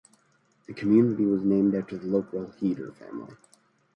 The community was named after the local Heater family.